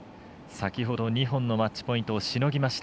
先ほど２本のマッチポイントをしのぎました。